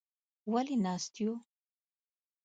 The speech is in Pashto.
_ولې ناست يو؟